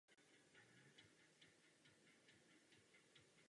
Celý okres West Vancouver leží na svazích pohoří Coast Mountains.